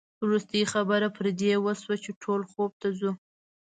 وروستۍ خبره پر دې وشوه چې ټول خوب ته ځو.